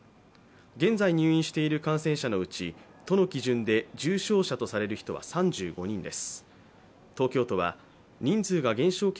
現在入院している感染者のうち都の基準で重症者とされる人は３５人です。